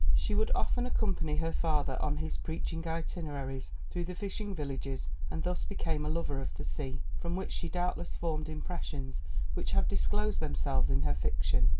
She would often accompany her father on his preaching itineraries through the fishing villages and thus be came a lover of the sea, from which she doubtless formed impressions which have disclosed themselves in her fiction.